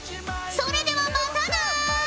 それではまたな！